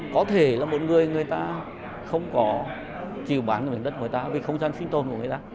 có thể là một người người ta không có chiều bán đất của người ta vì không sang sinh tôn của người ta